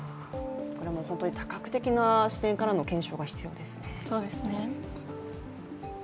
これも本当に多角的な視点からの検証が必要ですね。